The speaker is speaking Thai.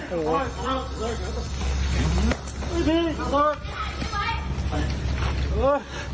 พี่